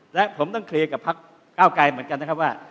และผมต้องเคลียร์กับพักเก้าไกลเหมือนกันนะครับว่า